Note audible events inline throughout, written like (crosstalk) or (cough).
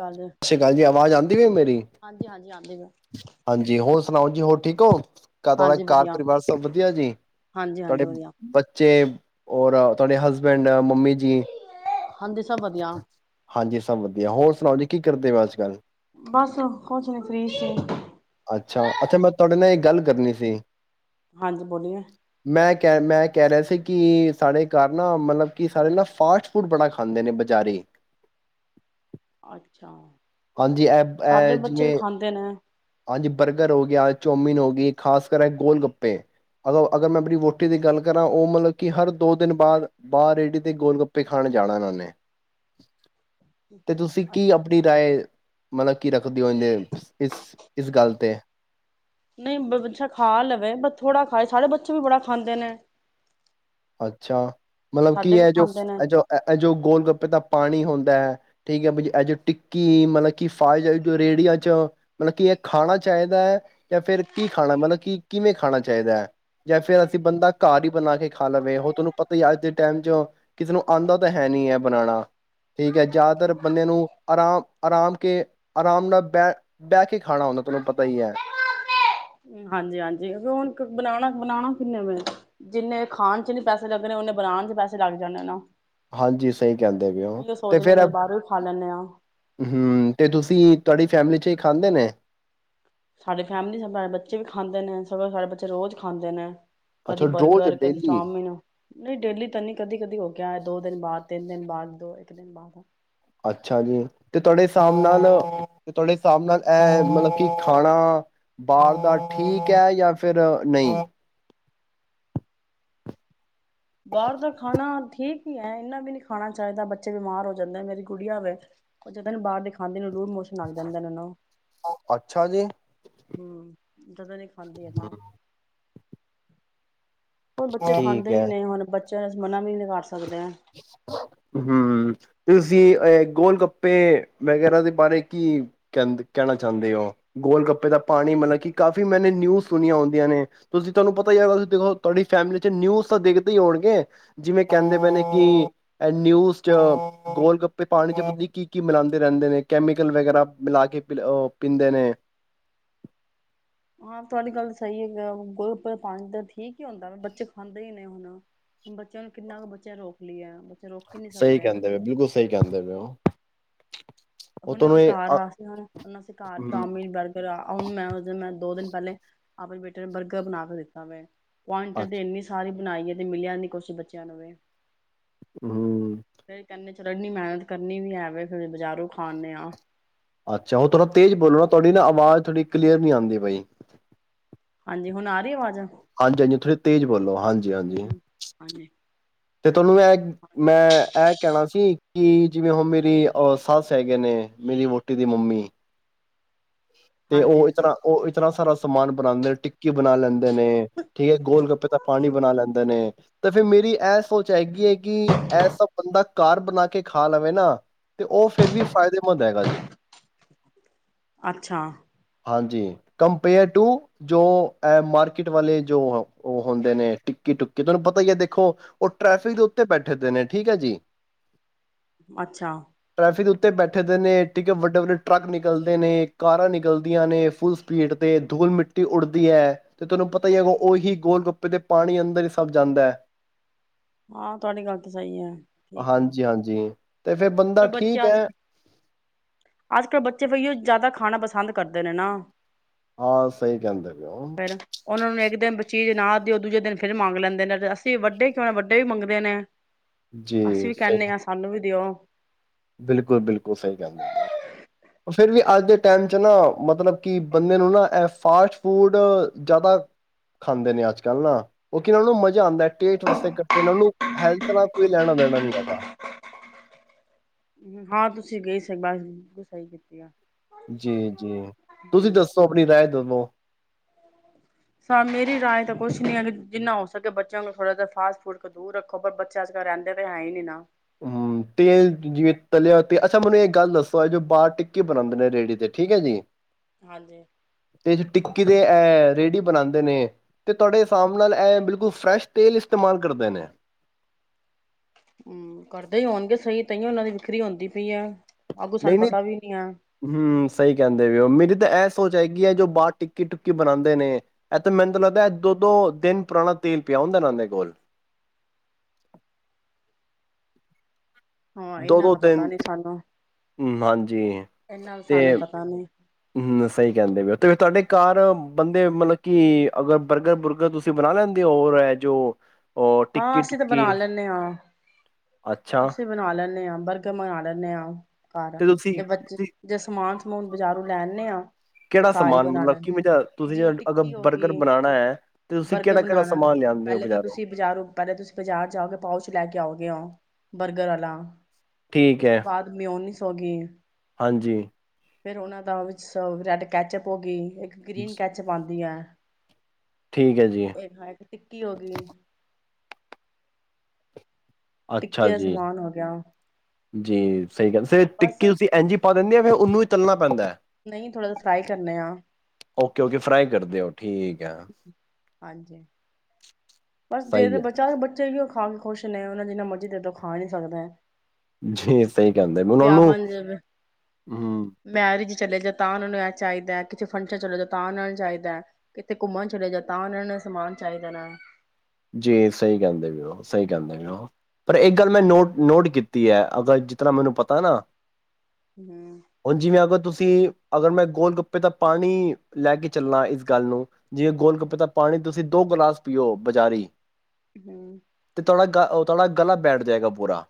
ਚੱਲ ਸਤਿ ਸ੍ਰੀ ਅਕਾਲ ਜੀ ਆਵਾਜ਼ ਆਉਂਦੀ ਹੋ ਮੇਰੀ ਹਾਂਜੀ ਹਾਂਜੀ ਆਂਦੀ ਪਈ ਹਾਂਜੀ ਹੋਰ ਸੁਣਾਓ ਜੀ ਹੋਰ ਠੀਕ ਹੋ ਤੁਹਾਡਾ ਹਾਂਜੀ ਘਰ ਵਧੀਆ ਪਰਿਵਾਰ? ਸਭ ਵਧੀਆ ਜੀ, ਹਾਂਜੀ ਤੁਹਾਡੇ ਹਾਂਜੀ ਵਧੀਆ ਬੱਚੇ? ਹੋਰ ਤੁਹਾਡੇ ਹਸਬੈਂਡ ਮੰਮੀ ਜੀ ਹਾਂਜੀ ਸਭ ਵਧੀਆ ਹਾਂਜੀ ਸਭ ਵਧੀਆ। ਹੋਰ ਸੁਣਾਓ ਜੀ ਕੀ ਕਰਦੇ ਹੋ ਅੱਜ ਕੱਲ੍ਹ? ਬਸ ਕੁਝ ਨੀ ਫਰੀ ਸੀ ਅੱਛਾ ਅੱਛਾ। ਮੈਂ ਤੁਹਾਡੇ ਨਾਲ ਇਹ ਗੱਲ ਕਰਨੀ ਸੀ ਹਾਂਜੀ ਬੋਲੀਏ ਕ ਮੈਂ ਕਹਿ ਰਿਹਾ ਸੀ ਕਿ ਸਾਡੇ ਘਰ ਨਾ ਮਤਲਬ ਕਿ ਸਾਰੇੇ ਨਾ ਫਾਸਟ ਫੂਡ ਬੜਾ ਖਾਂਦੇ ਨੇ ਬਜ਼ਾਰੇ ਅੱਛਾ ਸਾਡੇ ਬੱਚੇ ਵੀ ਖਾਂਦੇ ਨੇ ਅੱਜ ਬਰਗਰ ਹੋ ਗਿਆ ਚੌਮੀਿਨ ਹੋ ਗਈ ਖ਼ਾਸ ਕਰਕੇ ਗੋਲ ਗੱਪੇ ਅਗਰ ਅਗਰ ਮੈਂ ਆਪਣੀ ਰੋਟੀ ਦੀ ਗੱਲ ਕਰਾਂ। ਉਹ ਮਤਲਬ ਕਿ ਹਰ ਦੋ ਦਿਨ ਬਾਅਦ ਬਾਹਰ ਏੜ ਦੇ ਗੋਲ ਗੱਪੇ ਖਾਣ ਜਾਣਾ ਇਹਨਾਂ ਨੇ ਤੇ ਤੁਸੀਂ ਕੀ ਅੱਛਾ ਅੱਛਾ ਆਪਣੀ ਰਾਏ ਮਤਲਬ ਕੀ ਰੱਖਦੀ ਹੋ ਜਦੇ ਇਸ ਇਸ ਗੱਲ 'ਤੇ ਨਹੀਂ ਬਛਾ ਖਾ ਲਵੇ ਬ ਥੋੜਾ ਖਾਏ, ਸਾਡੇ ਬੱਚੇ ਵੀ ਬੜਾ ਖਾਂਦੇ ਨੇ ਅੱਛਾ। ਮਤਲਬ ਕੀ ਸਾਡੇ ਵੀ ਇਹ ਜੋ ਖਾਂਦੇ ਨੇ ਇਹ ਜੋ ਇਹ ਇਹ ਜੋ ਗੋਲ ਗੱਪੇ ਦਾ ਪਾਣੀ ਹੁੰਦਾ ਹੈ ਠੀਕ ਹੈ ਬ ਇਹ ਜੋ ਟਿੱਕੀ ਮਤਲਬ ਕਿ ਫਾਈ ਜਾ ਜੋ ਰੇਹੜੀਆਂ ਚ ਮਤਲਬ ਕੀ ਇਹ ਖਾਣਾ ਚਾਹੀਦਾ ਹੈ? ਜਾਂ ਫਿਰ ਕੀ ਖਾਣਾ ਮਤਲਬ ਕਿ ਕਿਵੇਂ ਖਾਣਾ ਚਾਹੀਦਾ ਹੈ? ਜਾਂ ਫਿਰ ਅਸੀਂ ਬੰਦਾ ਘਰ ਹੀ ਬਣਾ ਕੇ ਖਾ ਲਵੇ ਉਹ ਤੁਹਾਨੂੰ ਪਤਾ ਹੀ ਅੱਜ ਦੇ ਟਾਈਮ ਚ ਕਿਸੇ ਨੂੰ ਆਉਂਦਾ ਤਾਂ ਹੈ ਨਹੀਂ ਹੈ ਬਣਾਣਾ। ਠੀਕ ਹੈ, ਜ਼ਿਆਦਾਤਰ ਬੰਦੇਆਂ ਨੂੰ ਆਰਾਮ ਆਰਾਮ ਕੇ ਆਰਾਮ ਨਾਲ ਬਹਿ ਬਹਿ ਕੇ ਖਾਣਾ ਹੁੰਦਾ ਤੁਹਾਨੂੰ ਪਤਾ ਹੀ ਹੈ ਹਾਂਜੀ, ਹਾਂਜੀ। ਹੁਣ ਬਣਾਣਾ ਬਣਾਣਾ ਕਿੰਨੇ ਵੇ, ਜਿੰਨੇ ਖਾਣ ਚ ਨੀ ਪੈਸੇ ਲੱਗਣੇ ਨੇ ਬਣਾਉਣ ਚ ਪੈਸੇ ਲੱਗ ਜਾਣੇ ਨਾ। ਹਾਂਜੀ ਸਹੀ ਕਹਿੰਦੇ ਪਏ ਹੋ ਇਹੀਓ ਤੇ ਸੋਚਦੇ ਫੇਰ ਏ, ਚੱਲ ਬਾਹਰੋਂ ਹੀ ਖਾ ਲੈਂਦੇ ਹਾਂ ਹਮ, ਤੇ ਤੁਸੀਂ ਤੁਹਾਡੀ ਫੈਮਲੀ ਚ ਹੀ ਖਾਂਦੇ ਨੇ? ਸਾਡੇ ਫੈਮਿਲੀ (unintelligible) ਬੱਚੇ ਵੀ ਖਾਂਦੇ ਨੇ ਸਗੋਂ ਸਾਡੇ ਬੱਚੇ ਰੋਜ਼ ਖਾਂਦੇ ਨੇ। ਅੱਛਾ ਕਦੀ ਰੋਜ਼ ਬਰਗਰ ਕਦੀ ਡੇਲੀ ਚਾਉਮਿਨ, ਨਹੀਂ ਡੇਲੀ ਤਾਂ ਨਹੀਂ, ਕਦੀ- ਕਦੀ ਹੋ ਗਿਆ ਇਹ ਦੋ ਦਿਨ ਬਾਅਦ। ਤਿੰਨ ਦਿਨ ਬਾਅਦ ਦੋ ਇੱਕ ਦਿਨ ਬਾਅਦ ਅੱਛਾ ਜੀ ਤੇ ਤੁਹਾਡੇ ਹਿਸਾਬ ਨਾਲ ਤੇ ਤੁਹਾਡੇ ਹਿਸਾਬ ਨਾਲ ਇਹ ਮਤਲਬ ਕਿ ਖਾਣਾ ਬਾਹਰ ਦਾ ਠੀਕ ਹੈ ਯਾ ਫਿਰ ਨਹੀਂ? ਬਾਹਰ ਦਾ ਖਾਣਾ ਠੀਕ ਈ ਹੈ ਇੰਨਾ ਵੀ ਨੀ ਖਾਣਾ ਚਾਹੀਦਾ। ਬੱਚੇ ਬਿਮਾਰ ਹੋ ਜਾਂਦੇ। ਮੇਰੀ ਕੁੜੀਆਂ ਵੇ, ਉਹ ਜਦ ਨ ਬਾਹਰ ਦੇ ਖਾਂਦੇ ਨ ਉਹਨੂੰ ਲੂਜ ਮੋਸ਼ ਅੱਛਾ ਜੀ? ਹਮ ਜਦੋਂ ਵੀ ਖਾਂਦੀ ਏ ਨਾ ਹੁਣ ਬੱਚੇ ਖਾਂਦੇ ਠੀਕ ਹੀ ਨੇ ਹੁਣ ਬ ਚ ਮਨਾ ਵੀ ਨੀ ਕਰ ਸ ਹਮ ਤੁਸੀਂ ਏ ਗੋਲ ਗੱਪੇ ਮੈਂ ਕਹਿਣਾ ਸੀ (unintelligible) ਕੀ ਕਹਿੰਦ ਕਹਿਣਾ ਚਾਹੁੰਦੇ ਹੋ ਗੋਲ ਗੱਪੇ ਦਾ ਪਾਣੀ ਮਤਲਬ ਕੀ ਕਾਫ਼ੀ ਮੈਨੇ ਨਿਊਜ਼ ਸੁਣੀਆਂ ਹੁੰਦੀਆਂ ਨੇ ਤੁਸੀਂ ਤੁਹਾਨੂੰ ਪਤਾ ਹੀ ਹੈ ਤੁਸੀਂ ਦੇਖੋ ਤੁਹਾਡੀ ਫੈਮਿਲੀ ਚ ਨਿਊਜ਼ ਤਾਂ ਦੇਖਦੇ ਹੀ ਹੋਣਗੇ ਜਿਵੇਂ ਕਹਿੰਦੇ ਪਏ ਨੇ ਕਿ ਇਹ ਨਿਊਜ਼ ਚ ਗੋਲ ਗੱਪੇ ਪਾਣੀ ਚ ਪਤਾ ਨੀ ਕੀ ਕੀ ਮਿਲਾਦੇ ਰਹਿੰਦੇ ਨੇ? ਕੈਮੀਕਲ ਵਗੈਰਾ ਮਿਲਾ ਕੇ ਪਿਲਾ ਉ ਪੀਂਦੇ ਨੇ। ਹਾਂ, ਤੁਆਡੀ ਗੱਲ ਸਈ ਏ ਗੇ, ਗੋਲ-ਗੱਪੇ ਪਾਣੀ ਤਾਂ ਠੀਕ ਹੀ ਹੁੰਦਾ ਵੇ ਬੱਚੇ ਖਾਂਦੇ ਹੀ ਨੇ ਹੁਣ, ਬੱਚੇਆਂ ਨੂੰ ਕਿੰਨਾ ਕੁ ਬੱਚੇਆਂ ਰੋਕ ਲਈਏ। ਰੋਕ ਹੀ ਨਹੀਂ ਸਹੀ ਸਕਦੇ ਹੈ ਕੇਂਦੇ ਪਏ ਬਿਲਕੁਲ ਸਹੀ ਕੇਂਦੇ ਪਏ ਉ। ਹੁਣ ਅਸੀਂ ਕਾਰ ਆ (unintelligible) ਹੁਨ ਅਸੀਂ ਕਾਰ ਹੂੰ। ਚਾਉਮੀਨ, ਬਰਗਰਾਂ ਹੁਨ ਮੈਂ ਉਸ ਦਿਨ ਮੈਂ ਦੋ ਦਿਨ ਪਹਿਲੇ ਆਪਣੇ ਬੇਟੇ ਨੇ ਬਰਗਰ ਬਨਾ ਕੇ ਦਿੱਤਾ ਵੇ। ਪੁਆਇੰਟਡ ਅੱਛਾ ਇੰਨੀ ਸਾਰੀ ਬਨਾਈਏ ਤੇ ਮਿਲਿਆ ਨੀ ਕੁਛ ਬੱਚਿਆਂ ਨੂੰ ਵੀ। ਹੁੰ। ਫਿਰ ਏਨੀ ਮਿਹਨਤ ਕਰਨੀ ਵੀ ਹੈਵੇ ਫੇਰ ਬਾਜ਼ਾਰੋਂ ਖਾ ਖਾਨੇ ਆਂ ਅੱਛਾ, ਉਹ ਥੋੜ੍ਹਾ ਤੇਜ਼ ਬੋਲੋ ਨਾ ਤੁਹਾਡੀ ਨਾ ਆਵਾਜ਼ ਥੋੜੀ ਕਲੀਅਰ ਨੀ ਆਂਦੀ ਪਈ। ਹਾਂਜੀ, ਹੁਨ ਆ ਰੀ ਆਵਾਜ਼? ਹਾਂਜੀ, ਹਾਂਜੀ ਥੋੜੀ ਤੇਜ਼ ਬੋਲੋ, ਹਾਂਜੀ, ਹਾਂਜੀ। ਹਾਂਜੀ ਤੁਹਾਨੂੰ ਇਹ ਮੈਂ ਇਹ ਕਹਿਣਾ ਸੀ ਕਿ ਜਿਵੇਂ ਹੁਨ ਮੇਰੀ ਉ ਸੱਸ ਹੈਗੇ ਨੇ ਮੇਰੀ ਵੋਟੀ ਦੀ ਮੰਮੀ ਤੇ ਉਹ ਹਾਂਜੀ ਇਸ ਤਰ੍ਹਾਂ ਉਹ ਈਤਨਾ ਸਾਰਾ ਸਮਾਨ ਬਨਾਦੇ ਟਿਕੀ ਬਨਾ ਲੈਂਦੇ ਦੇ ਨੇ ਠੀਕ ਏ, ਗੋਲ ਗੱਪੇ ਦਾ ਪਾਨੀ ਬਨਾ ਲੈਂਦੇ ਨੇ ਤੇ ਫੇਰ ਮੇਰੀ ਇਹ ਸੋਚ ਹੈਗੀ ਏ। ਕਿ ਐਸਾ ਬੰਦਾ ਕਾਰ ਬਨਾ ਕੇ ਖਾ ਲਵੇ ਨਾ ਤੇ ਉਹ ਫੇਰ ਵੀ ਫਾਇਦੇਮੰਦ ਹੈਗਾ ਜੇ। ਅੱਛਾ। ਹਾਂਜੀ ਕੰਪੇਅਰ ਟੂ ਜੋ ਏ ਮਾਰਕੀਟ ਵਾਲੇ ਜੋ ਓ ਹ ਉਹ ਹੁੰਦੇ ਨੇ ਟਿਕੀ ਟੁੱਕੀ ਤੁਹਾਨੂੰ ਪਤਾ ਈ ਏ ਦੇਖੋ, ਉਹ ਟ੍ਰੈਫਿਕ ਦੇ ਉੱਤੇ ਬੈਠੇ ਦੇ ਨੇ ਠੀਕ ਏ ਜੀ। ਅੱਛਾ। ਸਿਰ ਉੱਥ ਬੈਠੇ ਦੇ ਨੇ, ਠੀਕ ਏ ਵੱਡੇ, ਵੱਡੇ ਟਰੱਕ ਨਿਕਲ ਦੇ ਨੇ ਕਾਰਾਂ ਨਿਕਲਦੀਆਂ ਨੇ ਫੁੱਲ ਸਪੀਡ ਤੇ ਧੂਲ ਮਿੱਟੀ ਉੱਡਦੀ ਏ। ਤੇ ਤੁਹਾਨੂੰ ਪਤਾ ਈ ਏ, ਅਗੋਂ ਉਹੀ ਗੋਲ ਗੱਪੇ ਤੇ ਪਾਣੀ ਅੰਦਰ ਈ ਸਬ ਜਾਂਦਾ ਏ। ਹਾਂ ਤੁਹਾਡੀ ਗੱਲ ਤੇ ਸਹੀ ਐ ਠੀਕ ਐ ਹਾਂਜੀ ਹਾਂਜੀ ਤੇ ਫਿਰ ਬੰਦਾ ਪਰ ਠੀਕ ਬੱਚੇ ਅੱਜ ਹੈ ਅੱਜ ਕਲ੍ਹ ਬੱਚੇ ਬਈਓ ਜ਼ਾਦਾ ਖਾਨਾ ਪਸੰਦ ਕਰਦੇ ਨੇ ਨਾ। ਆ ਸਹੀ ਕਹਿੰਦਾ ਪਏ ਓ। ਫੇਰ (unintelligible) ਉਹਨਾਂ ਨੂੰ ਇੱਕ ਦਿਨ ਚੀਜ਼ ਨਾ ਦੇਓ ਦੂਜੇ ਦਿਨ ਫਿਰ ਮੰਗ ਲੈਂਦੇ ਨੇ ਤੇ ਅਸੀਂ ਵੱਡੇ ਕਿਉਂ ਨ ਵ ਡੇ ਵੀ ਮੰਗਦੇ ਨੇ। ਅਸੀਂ ਜੀ ਵੀ ਸਹੀ ਕੇਨੇ ਆ ਸਾਨੂੰ ਵੀ ਦਿਓ। (unintelligible) ਬਿਲਕੁਲ, ਬਿਲਕੁਲ ਸਹੀ ਕੇਂਦੇ ਪਏ ਓ। ਪ ਫਿਰ ਵੀ ਅੱਜ ਦੇ ਟਾਈਮ ਚ ਨਾ ਮਤਲਬ ਕਿ ਬੰਦੇ ਨੂੰ ਨਾ ਇਹ ਫਾਸਟ ਫੂਡ ਜ਼ਾਦਾ ਖਾਂਦੇ ਨੇ ਅੱਜ ਕੱਲ੍ਹ ਨਾ। (unintelligible) ਨੂੰ ਮਜ਼ਾ ਆਂਦਾਏ ਟੇਟ ਵਸੇ ਕਟਦੇ ਉਹਨਾ ਨੂੰ ਹੈਲਥ ਨਾਲ ਕੋਈ ਲੈਨਾ ਦੇਨਾ ਨਈ ਹੈਗਾ। ਹਾਂ ਤੁਸੀਂ ਗਏ ਸੀ ਬਸ (unintelligible) ਸਹੀ ਕੀਤੀ ਆ। ਜੀ, ਜੀ ਤੁਸੀਂ ਦੱਸੋ ਆਪਣੀ ਰਾਏ ਦਨੋਂ। ਹਾਂ ਮੇਰੀ ਰਾਏ ਤਾਂ ਕੁਛ ਨੀ ਹੈਗੀ। ਜਿੰਨਾ ਹੋ ਸਕੇ ਬੱਚਿਆਂਲ ਥੋੜ੍ਹਾ ਜਿਹਾ ਫਾਸਟ ਫੂਡ ਦੂਰ ਰੱਖੋ ਪਰ ਬੱਚੇ ਅੱਜ ਕੱਲ ਰਹਿੰਦੇ ਤਾਂ ਹੈ ਈ ਨੀ ਨਾ। ਹੁੰ, ਤੇਲ ਜਿਵੇਂ ਤਲਿਆ ਤੇ ਅੱਛਾ ਮੈਨੂੰ ਇਹ ਗੱਲ ਦੱਸੋ ਏ ਜੋ ਬਾਰ ਟਿੱਕੀ ਬਨਾਂਦੇ ਨੇ ਰੇੜੀ ਤੇ ਠੀਕ ਏ ਜੀ ਹਾਂਜੀ ਕਿਤੇ ਇਹ ਰੇਹੜੀ ਬਣਾਉਂਦੇ ਨੇ ਅਤੇ ਤੁਹਾਡੇ ਹਿਸਾਬ ਨਾਲ ਇਹ ਬਿਲਕੁਲ ਫਰੈਸ਼ ਤੇਲ ਇਸਤੇਮਾਲ ਕਰਦੇ ਨੇ ਹਮ ਕਰਦੇ ਹੀ ਆਉਣਗੇ ਸਹੀ ਤਹੀ ਉਹਨਾਂ ਦੀ ਵਿਖਰੀ ਆਉਂਦੀ ਪਈ ਆ ਨਹੀਂ ਨਹੀਂ ਹਮ ਸਹੀ ਕਹਿੰਦੇ ਵੀ ਉਹ ਮੇਰੀ ਤਾਂ ਐ ਸੋਚਏਗੀ ਹੈ ਜੋ ਬਾਹਰ ਟਿੱਕੀ ਟੁੱਕੀ ਬਣਾਉਂਦੇ ਨੇ ਇਹ ਤੇ ਮੈਨੂੰ ਲੱਗਦਾ ਦੋ ਦੋ ਦਿਨ ਪੁਰਾਣਾ ਤੇਲ ਪਿਆ ਹੁੰਦਾ ਨਾਦੇ ਕੋਲ ਹਾਂ ਦੋ ਇਹਨਾਂ ਦੋ ਦਾ ਪਤਾ ਦਿਨ ਨੀ ਸਾਨੂੰ ਹਮ, ਹਾਂਜੀ ਇਹਨਾਂ ਦਾ ਸਾਨੂੰ ਪਤਾ ਨੀ ਹਮ ਸਹੀ ਕਹਿੰਦੇ ਵੀ ਤੇ ਤੁਹਾਡੇ ਘਰ ਬੰਦੇ ਮਤਲਬ ਕਿ ਅਗਰ ਬਰਗਰ ਬੁਰਗਰ ਤੁਸੀਂ ਬਣਾ ਲੈਂਦੇ ਹੋ ਹੋਰ ਹੈ ਜੋ ਉਹ ਹਾਂ ਟਿੱਕੀ ਅਸੀਂ ਤਾਂ ਟੁੱਕੀ ਬਣਾ ਲੈਂਦੇ ਹਾਂ ਅੱਛਾ ਅਸੀਂ ਬਣਾ ਲੈਂਦੇ ਹਾਂ ਬਰਗਰ ਮੰਗ ਲੈਂਦੇ ਹਾਂ ਕਾਰ ਆ ਤੁਸੀਂ ਤੇ ਬੱਚੇ ਤੁਸੀਂ ਜੇ ਸਮਾਨ ਹੁਣ ਬਜ਼ਾਰੋਂ ਲੈਨੇ ਹਾਂ ਕਿਹੜਾ ਸਮਾਨ ਮਤਲਬ ਕਿਵੇਂ ਤੁਸੀਂ ਜਿਵੇਂ ਅਗਰ ਟਿੱਕੀ ਹੋ ਬਰਗਰ ਗਈ ਬਣਾਉਣਾ ਹੈ ਤੇ ਤੁਸੀਂ ਕਿਹੜਾ ਕਿਹੜਾ ਸਮਾਨ ਲਿਆਂਦੇ ਹੋ ਬਜ਼ਾਰੋਂ ਬਾਜ਼ਾਰ ਪਹਿਲ ਤੁਸੀਂ ਬਾਜ਼ਾਰ ਜਾਓ ਪਾਓ ਚ ਲੈ ਕੇ ਆਓਗੇ ਹੋ ਬਰਗਰ ਵਾਲਾ ਠੀਕ ਉਸ ਹੈ, ਤੋਂ ਬਾਅਦ ਮੈਂ ਉੱਨੀ ਸੌ ਸਗੇੀ ਹਾਂਜੀ ਫੇਿਰ ਉਹਨਾਂ ਦਾ ਵਿੱਚ ਰ੍ਰੈਡ ਕੈਚਅਪ ਹੋ ਗਈ ਇੱਕ ਗ੍ਰੀਨ ਜ ਕੈਚ ਪਾਉਂਦੀ ਆ ਠੀਕ ਹੈ ਜੀ, ਇਹ ਹਾਂ ਇੱਕ ਟਿੱਕੀ ਹੋ ਗਈ ਟਿੱਕ ਅੱਛਾ ਜੀ, ਸਮਾਨ ਹੋ ਗਿਆ ਵ ਜੀ ਸਹੀ ਕਹਿੰਦੇ ਟਿੱੀ ਤੁਸੀਂ ਇਂਝ ਪਾ ਰਹਿੰਦੀ ਫਿਰ ਉਹਨੂੰ ਹੀ ਚੱਲਣਾ ਪੈਂਦਾ ਹੈ ਨਹੀਂ ਥੋੜ੍ਹਾ ਜਿ ਫਰਾਈ ਕਰਨੇ ਆ ਓਕੇ ਓਕੇ ਫਰਾ ਕਰਦੇ ਓ ਹਾਂਜੀ ਬਸ ਦੇਖ ਸਹੀ ਦੇ ਹੈ, ਬਚਾ ਬੱਚੇ ਵੀ ਖਾ ਕੇ ਖੁਸ਼ ਨੇ ਉਹਨਾ ਜਿੰਨਾ ਮਰਜ਼ੀ ਦੇ ਤ ਖਾ ਨੀ ਸਕਦਾ ਜੀ ਸਹੀ ਕਹਿੰਦੇ ਹੁਣ ਉਹਨੂੰ ਵਿਆਹਾਂ ਚ ਹਮ ਮੈਰਿਜ ਚਲੇ ਜਾ ਤਾਂ ਉਹਨਾਂ ਨੂੰ ਇਹ ਚਾਹੀਦਾ ਕਿਤੇ ਫੰਕਸ਼ਨ ਚਲੇ ਜਾ ਤਾਂ ਉਹਨਾਂ ਨੂੰ ਚਾਹੀਦਾ ਕਿਤੇ ਘੁੰਮਣ ਚਲੇ ਜਾ ਤਾਂ ਉਹਨਾਂ ਨੂੰ ਸਮਾਨ ਚਾਹੀਦਾ ਨਾ ਜੀ ਸਹੀ ਕਹਿੰਦੇ ਵੀ ਉਹ ਸਹੀ ਕਹਿੰਦੇ ਉਹ ਪਰ ਇਹ ਗੱਲ ਮੈਂ ਨੋਟ ਨੋਟ ਕੀਤੀ ਹੈ ਅਗਰ ਜਿਸ ਤਰ੍ਹਾਂ ਮੈਨੂੰ ਪਤਾ ਨਾ ਹੂੰ ਪੰਜੀਮੀ ਅਗਤ ਤੁਸੀਂ ਅਗਰ ਮੈਂ ਗੋਲ ਗੱਪੇ ਦਾ ਪਾਣੀ ਲੈ ਕੇ ਚੱਲਣਾ ਇਸ ਗੱਲ ਨੂੰ ਜਿਵੇਂ ਗੋਲ ਗੱਪੇ ਦਾ ਪਾਣੀ ਤੁਸੀਂ ਦੋ ਗਲਾਸ ਪੀਓ ਬਜ਼ਾਰੀ ਹਮ ਤੇ ਤੁਹਾਡਾ ਗਲਾ ਬੈਠ ਜਾਏਗਾ ਪੂਰਾ,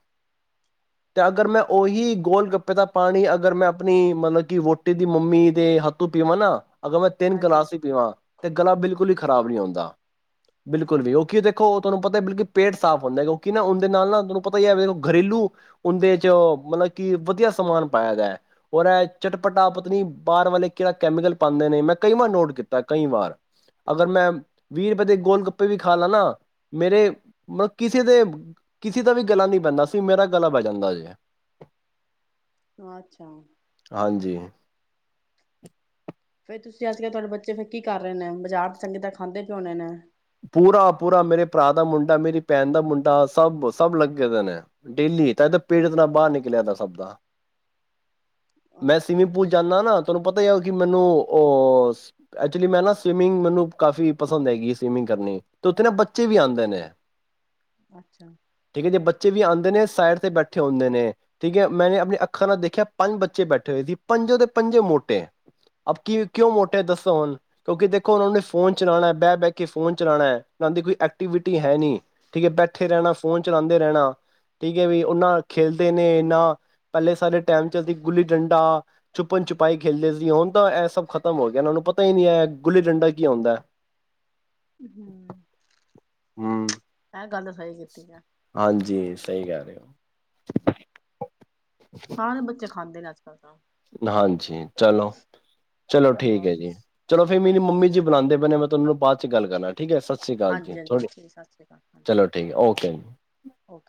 ਤੇ ਅਗਰ ਮੈਂ ਓਹੀ ਗੋਲ ਗੱਪੇ ਦਾ ਪਾਣੀ ਅਗਰ ਮੈਂ ਆਪਣੀ ਮਤਲਬ ਕਿ ਵੋਟੀ ਦੀ ਮੰਮੀ ਦੇ ਹੱਥੋਂ ਪੀਵਾਂ ਨਾ ਅਗਰ ਮੈਂ ਤਿੰਨ ਹਾਂਜੀ। ਗਿਲਾਸ ਇ ਪੀਵਾਂ ਤੇ ਗਲਾ ਬਿਲਕੁਲ ਹੀ ਖਰਾਬ ਨਹੀਂ ਆਉਂਦਾ ਬਿਲਕੁਲ ਓ ਕੀ ਦੇਖੋ ਤਹਾਨੂੰ ਪਤਾ ਬਲਕੀ ਪੇਟ ਸਾਫ਼ ਹੁੰਦਾ। ਕਿਉਂਕਿ ਨਾ ਉਂਦੇ ਨਾਲ ਨਾ ਤੁਹਾਨੂੰ ਪਤਾ ਹੀ ਏ ਦੇਖੋ ਘਰੇਲੂ ਉੰਦੇ ਚ ਮਤਲਬ ਕਿ ਵਧੀਆ ਸਮਾਨ ਪਾਇਆ ਗਿਆ ਹੈ ਔਰ ਇਹ ਚਟਪਟਾ ਪਤਾ ਨੀ ਬਾਹਰ ਵਾਲੇ ਕਿਹੜਾ ਕੈਮੀਕਲ ਪਾਉਂਦੇ ਨੇ ਮੈਂ ਕਈ ਵਾਰ ਨੋਟ ਕੀਤਾ ਕਈ ਵਾਰ, ਅਗਰ ਮੈਂ ਵੀਹ ਰੁਪਏ ਦੇ ਗੋਲ ਵੀ ਖਾ ਲਾ ਨਾ ਮੇਰੇ ਮਤਲਬ ਕਿਸੇ ਦੇ ਕਿਸੇ ਦਾ ਵੀ ਗਲਾ ਨੀ ਬੇਂਦਾ ਸੀ ਮੇਰਾ ਗਲਾ ਬੇ ਜਾਂਦਾ ਜੇ ਅੱਛਾ ਹਾਂਜੀ ਫੇਰ ਤੁਸੀਂ ਆਜ ਕਿਹਾ ਤੁਹਾਡੇ ਬੱਚੇ ਫੇਰ ਕੀ ਕਰ ਰਹੇ ਨੇ, ਬਾਜ਼ਾਰ ਚੰਗੇ ਤਰਾਂ ਖਾਂਦੇ ਕਿਉਂ ਨੇ ਨੇ ਪੂਰਾ-ਪੂਰਾ ਮੇਰੇ ਭਰਾ ਦਾ ਮੁੰਡਾ, ਮੇਰੀ ਭੈਣ ਦਾ ਮੁੰਡਾ ਸਭ, ਸਭ ਲੱਗੇ ਦੇ ਨੇ ਡੇਲੀ ਤਾਈਂ ਪੇਟ ਇਤਨਾ ਬਾਹਰ ਨਿਕਲਿਆ ਦਾ ਸਭ ਦਾ ਮੈਂ ਅੱਛਾ। ਸਿਵਿੰਗ ਪੂਲ ਜਾਨਾ ਨਾ ਤੁਹਾਨੂੰ ਪਤਾ ਏ ਕਿ ਮੈਨੂੰ ਅ ਐਕਚੁਲੀ ਮੈਂ ਨਾ ਸਵਿਮਿੰਗ ਮੈਨੂੰ ਕਾਫੀ ਪਸੰਦ ਹੈਗੀ ਏ ਸਵਿਮਿੰਗ ਕਰਨੀ ਤੇ ਉੱਥੇ ਨਾ ਬੱਚੇ ਵੀ ਆਉਂਦੇ ਨੇ। ਅੱਛਾ। ਠੀਕ ਹੈ ਜੇ ਬੱਚੇ ਵੀ ਆਂ ਨੇ ਸਾਈਡ ਤੇ ਬੈਠੇ ਹੁੰਦੇ ਨੇ ਠੀਕ ਹੈ। ਮੈਨੇ ਆਪਨੇ ਅੱਖਾਂ ਨਾਲ ਦੇਖਿਆ ਪੰਜ ਬੱਚੇ ਬੈਠੇ ਹੋਏ ਸੀ ਪੰਜੋ ਦੇ ਪੰਜੋ ਮੋਟੇ, ਅਬ ਕਿ ਕਿਉਂ ਮੋਟੇ ਦੱਸੋ ਹੁਨ ਕਿਉਂਕਿ ਦੇਖੋ ਹੁਨ ਉਹਨੇ ਫੋਨ ਚਲਾਉਣਾ ਬੈ ਬੈ ਕੇ ਫੋਨ ਚਲਾਨਾ ਏ। (unintelligible) ਦੀ ਕੋਈ ਐਕਟੀਵਿਟੀ ਹੈ ਨਹੀਂ ਠੀਕ ਹੈ ਬੈਠੇ ਰਹਿਨਾ ਫ਼ੋਨ ਚਲਾਂਦੇ ਰਹਿਨਾ ਠੀਕ ਹੈ ਵੀ ਉਹਨਾਂ ਖੇਲਦੇ ਨੇ ਇਨਾ ਪਹਿਲੇ ਸਾਰੇ ਟਾਈਮ ਚ ਅਸੀ ਗੁੱਲੀ ਡੰਡਾ, ਛੁਪਨ ਛੁਪਾਈ ਖੇਲਦੇ ਸੀ। ਹੁਨ ਤਾਂ ਇਹ ਸਭ ਖ਼ਤਮ ਹੋ ਗਿਆ ਉਹਨਾਂ ਨੂੰ ਪਤਾ ਹੀ ਨਹੀਂ ਹੈ ਗੁੱਲੀ ਡੰਡਾ ਕੀ ਹੋਂਦਾ ਹੈ। (unintelligible) ਹਮ ਗੱਲ ਸਹੀ ਕੀਤੀ ਏ। ਹਾਂਜੀ ਸਹੀ ਕਹਿ ਰਹੇ ਹੋ। (inaudible) ਸਾਰੇ ਬੱਚੇ ਖਾਂਦੇ ਨੇ ਅਜ ਹਾਂਜੀ ਚਲੋ ਚਲੋ ਆਹੋ। ਠੀਕ ਹੈ ਜੀ, ਚਲੋ ਫੇਰ ਮੇਰੀ ਹਾਂਜੀ ਮੰਮੀ ਜੀ ਬਲਾਂਦੇ ਪਏ ਨੇ ਮ (unintelligible) ਬਾਅਦ ਚ ਗੱਲ ਕਰਨਾ ਠੀਕ ਹੈ ਸੱਚ ਸਤਿ ਸ੍ਰੀ ਕਾਲ ਜੀ ਹਾਂਜੀ ਹਾਂਜੀ ਥੋੜ੍ਹੀ, ਠੀਕ ਸਤਿ ਸ਼੍ਰੀ ਅਕਾਲ ਹਾਂਜੀ ਚਲੋ ਠੀਕ ਹੈ ਓਕੇ ਓਕੇ।